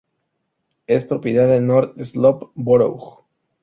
Es propiedad de North Slope Borough.